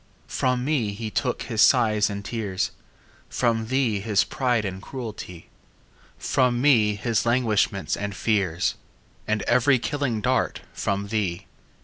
From me he took his sighs and tears, From thee his pride and cruelty; 10 From me his languishments and fears, And every killing dart from thee.